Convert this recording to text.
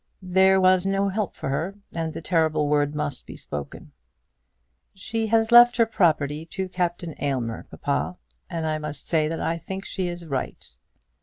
There was no help for her, and the terrible word must be spoken. "She has left her property to Captain Aylmer, papa; and I must say that I think she is right."